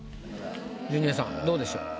ジュニアさんどうでしょう？